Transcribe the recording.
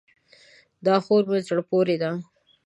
دا خور مې زړه پورې ده.